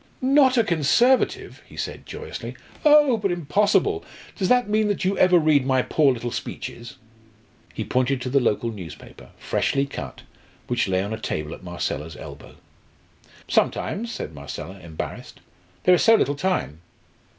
"Not a Conservative?" he said joyously. "Oh! but impossible! Does that mean that you ever read my poor little speeches?" He pointed to the local newspaper, freshly cut, which lay on a table at Marcella's elbow. "Sometimes " said Marcella, embarrassed. "There is so little time."